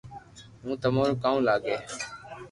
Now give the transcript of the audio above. ھون تماري ڪاو لاگو